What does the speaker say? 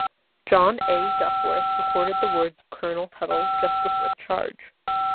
John A. Duckworth recorded the words of Colonel Tuttle just before the charge.